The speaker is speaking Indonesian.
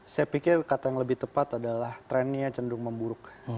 saya pikir kata yang lebih tepat adalah trennya cenderung memburuk